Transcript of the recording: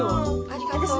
ありがとう。